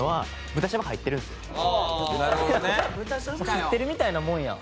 知ってるみたいなもんやん。